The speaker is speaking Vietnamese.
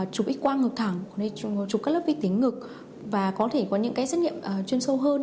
chụp x quang ngực thẳng chụp các lớp vi tính ngực và có thể có những cái xét nghiệm chuyên sâu hơn